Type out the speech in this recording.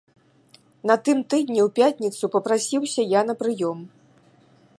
На тым тыдні ў пятніцу папрасіўся я на прыём.